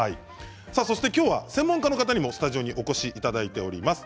今日は専門家の方にもスタジオにお越しいただいています。